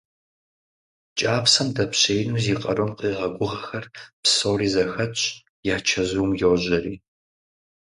КӀапсэм дэпщеину зи къарум къигъэгугъэхэр псори зэхэтщ, я чэзум йожьэри.